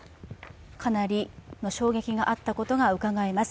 かなりの衝撃があったことがうかがえます。